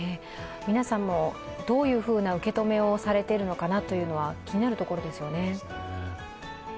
皆さんもどういうふうな受け止めをされているのかなというのは気になるところですよね。